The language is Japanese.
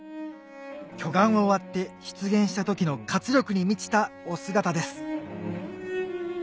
巨岩を割って出現した時の活力に満ちたお姿です